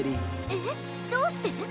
えっどうして？